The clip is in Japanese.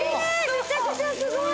めちゃくちゃすごい！